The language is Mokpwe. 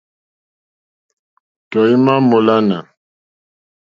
Tɔ̀ímá mǃólánà.